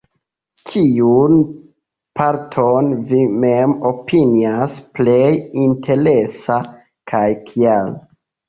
Kiun parton vi mem opinias plej interesa, kaj kial?